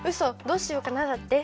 「どうしようかな」だって。